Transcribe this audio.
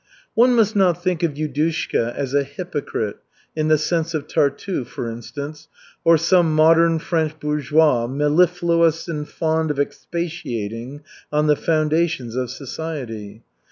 One must not think of Yudushka as a hypocrite in the sense of Tartuffe, for instance, or some modern French bourgeois, mellifluous and fond of expatiating on "the foundations of society."